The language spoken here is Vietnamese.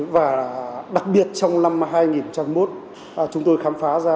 và đặc biệt trong năm hai nghìn một chúng tôi khám phá ra